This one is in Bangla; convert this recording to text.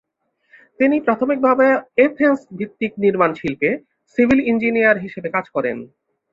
তিনি প্রাথমিকভাবে এথেন্স ভিত্তিক নির্মাণ শিল্পে, সিভিল ইঞ্জিনিয়ার হিসাবে কাজ করেন।